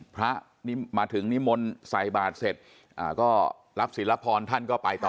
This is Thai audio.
พระมาถึงนิมนต์ใส่บาทเสร็จก็รับศิลพรท่านก็ไปต่อ